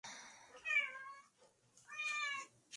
En los primeros años la superficie de la cancha era de tierra.